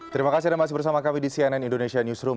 terima kasih anda masih bersama kami di cnn indonesia newsroom